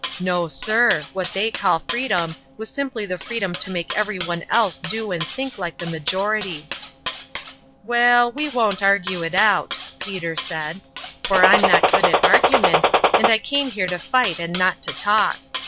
No, sir; what they call freedom was simply the freedom to make everyone else do and think like the majority." "Waal, we won't argue it out," Peter said, "for I'm not good at argument, and I came here to fight and not to talk.